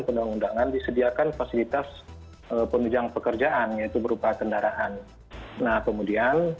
undang undangan disediakan fasilitas penunjang pekerjaan yaitu berupa kendaraan nah kemudian